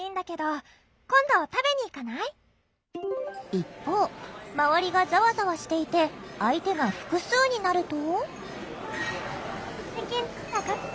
一方周りがザワザワしていて相手が複数になると。